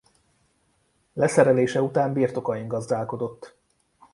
Leszerelése után birtokain gazdálkodott.